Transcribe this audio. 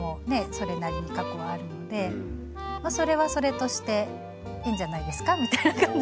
それなりに過去はあるのでそれはそれとしていいんじゃないですかみたいな感じではい。